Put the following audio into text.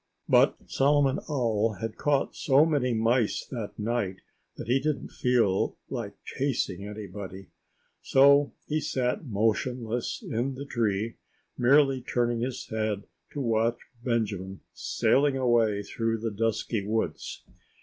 But Solomon Owl had caught so many mice that night that he didn't feel like chasing anybody. So he sat motionless in the tree, merely turning his head to watch Benjamin sailing away through the dusky woods.